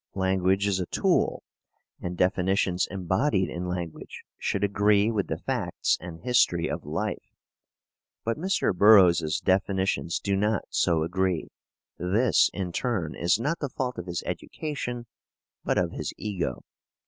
Language is a tool, and definitions embodied in language should agree with the facts and history of life. But Mr. Burroughs's definitions do not so agree. This, in turn, is not the fault of his education, but of his ego.